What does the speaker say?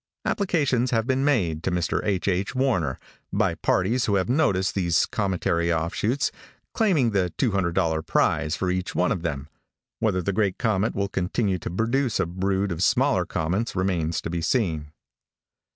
Applications have been made to Mr. H. H. Warner, by parties who have noticed these cometary offshoots, claiming the $200 prize for each one of them. Whether the great comet will continue to produce a brood of smaller comets remains to be seen."